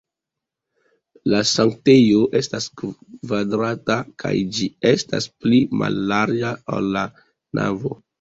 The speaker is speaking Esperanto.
La sanktejo estas kvadrata kaj ĝi estas pli mallarĝa, ol la navo.